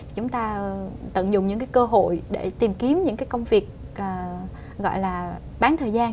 chúng ta tận dụng những cái cơ hội để tìm kiếm những công việc gọi là bán thời gian